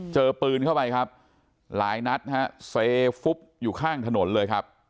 เจอปืนเข้าไปครับหลายนัดฮะเซฟุบอยู่ข้างถนนเลยครับ